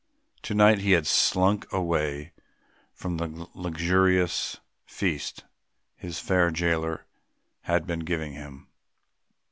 To night he had slunk away from the luxurious feast his fair jailer had been giving him.